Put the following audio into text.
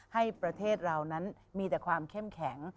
ให้ประเทศเรานั้นมีแต่ความเข้มแข็ง